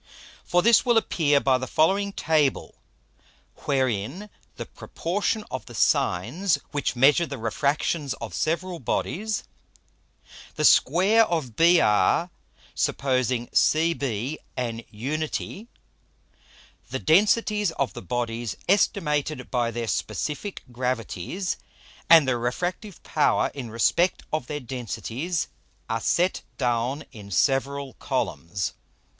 For this will appear by the following Table, wherein the Proportion of the Sines which measure the Refractions of several Bodies, the Square of BR, supposing CB an unite, the Densities of the Bodies estimated by their Specifick Gravities, and their Refractive Power in respect of their Densities are set down in several Columns.